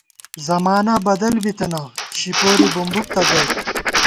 زمانہ بدل بِتَنہ شِپوری بُمبُک تہ گئیت